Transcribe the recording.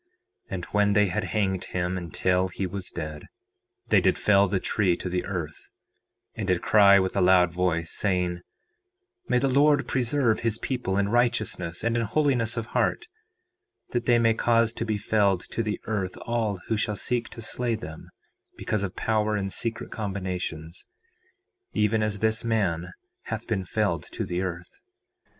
And when they had hanged him until he was dead they did fell the tree to the earth, and did cry with a loud voice, saying: 4:29 May the Lord preserve his people in righteousness and in holiness of heart, that they may cause to be felled to the earth all who shall seek to slay them because of power and secret combinations, even as this man hath been felled to the earth.